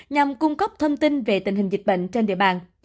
nhằm cung cấp thông tin về tình hình dịch bệnh trên địa bàn